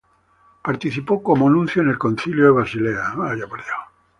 Participó como nuncio en el Concilio de Basilea.